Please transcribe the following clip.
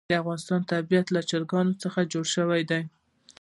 د افغانستان طبیعت له چرګانو څخه جوړ شوی دی.